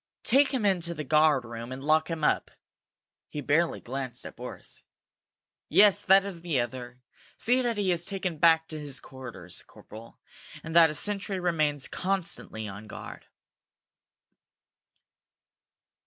Take him into the guard room and lock him up." He barely glanced at Boris. "Yes, that is the other. See that he is taken back to his quarters, corporal, and that a sentry remains constantly on guard."